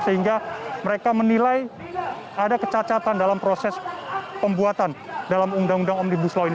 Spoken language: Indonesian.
sehingga mereka menilai ada kecacatan dalam proses pembuatan dalam undang undang omnibus law ini